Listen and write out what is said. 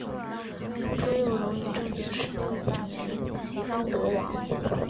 朱佑榕于正德十六年袭封德王。